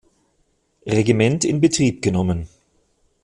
Regiment in Betrieb genommen.